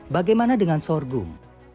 bagaimana dengan sorghum